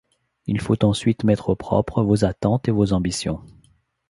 Il faut ensuite mettre au propre vos attentes et vos ambitions.